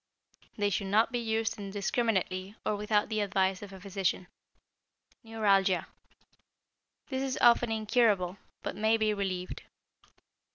They should not be used indiscriminately or without the advice of a physician. =Neuralgia.= This is often incurable, but may be relieved.